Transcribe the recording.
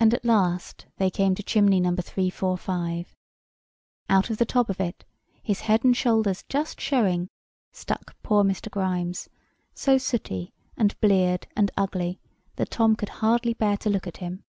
And at last they came to chimney No. 345. Out of the top of it, his head and shoulders just showing, stuck poor Mr. Grimes, so sooty, and bleared, and ugly, that Tom could hardly bear to look at him.